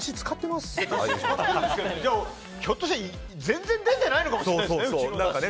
ひょっとして全然出てないのかもしれませんね。